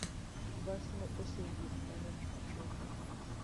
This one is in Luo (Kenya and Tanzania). Bas ne osewuok mane achopo